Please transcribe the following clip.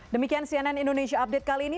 demikian cnn indonesia update kali ini